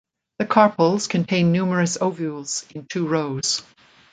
The carpels contain numerous ovules in two rows.